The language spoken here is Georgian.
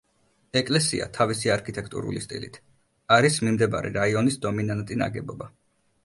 ეკლესია თავისი არქიტექტურული სტილით არის მიმდებარე რაიონის დომინანტი ნაგებობა.